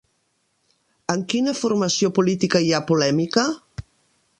En quina formació política hi ha polèmica?